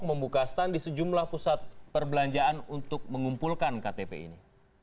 membuka stand di sejumlah pusat perbelanjaan untuk mengumpulkan ktp ini